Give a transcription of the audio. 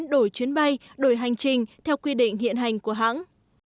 đổi chuyến bay đổi hành trình theo quy định hiện hành của hãng